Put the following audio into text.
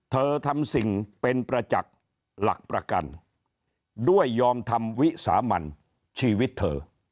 ทำสิ่งเป็นประจักษ์หลักประกันด้วยยอมทำวิสามันชีวิตเธอ